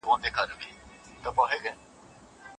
له ځالیو به راپورته داسي شخول سو